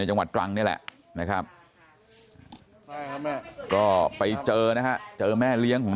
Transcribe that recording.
จังหวัดตรังนี่แหละนะครับก็ไปเจอนะฮะเจอแม่เลี้ยงของ